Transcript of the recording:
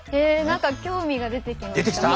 なんか興味が出てきました。